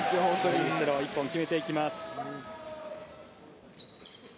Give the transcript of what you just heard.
フリースローを１本決めていきます。